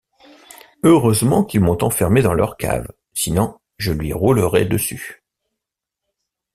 Heureusement qu’ils m’ont enfermé dans leur cave, sinon je lui roulerais dessus.